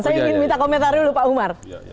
saya ingin minta komentari dulu pak hunar